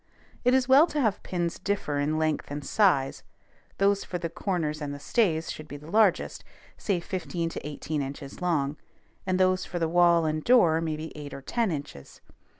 It is well to have pins differ in length and size: those for the corners and the stays should be the largest, say fifteen to eighteen inches long; and those for the wall and door may be eight or ten inches.